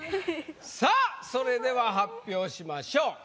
さあそれでは発表しましょう。